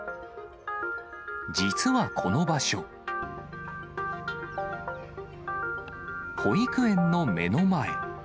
実はこの場所、保育園の目の前。